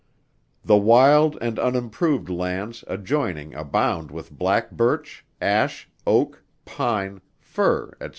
The wild and unimproved lands adjoining abound with black birch, ash, oak, pine, fir, &c.